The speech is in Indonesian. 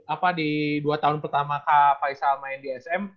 apa di dua tahun pertama kak faisal main di sm